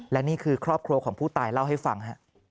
และนี่คือครอบครัวของผู้ตายเล่าให้ฟัง